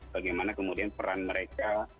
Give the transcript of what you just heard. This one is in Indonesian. bagaimana kemudian peran mereka